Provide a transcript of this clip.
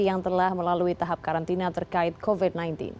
yang telah melalui tahap karantina terkait covid sembilan belas